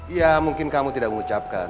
ya mungkin kamu tidak mengucapkan